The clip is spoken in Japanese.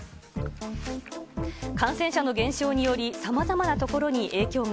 感染者の減少により、さまざまな所に影響が。